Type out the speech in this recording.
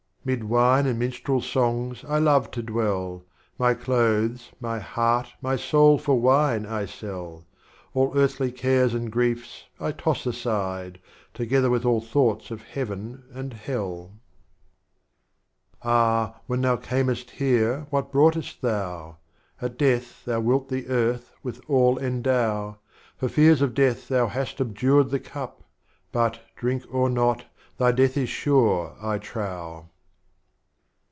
Mid Wine and Minstrel's Songs I love to dwell. My Clothes, my Heart, my Soul for Wine I sell, All Earthly Cares and Griefs I toss aside. Together with all Thoughts of Heaven and Hell. strophes of Omar Khayyam. 39 VII. Ah, when Thou earnest Here what broughtest ThonV At Death thou wilt the Etirtli with All endow. For Fears of Death Thou hast abjured the Cup, — But drink or not, thy Death is sure, I trow.